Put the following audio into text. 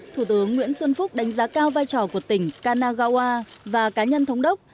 thủ tướng nguyễn xuân phúc đánh giá cao vai trò của tỉnh kanagawa và cá nhân thống đốc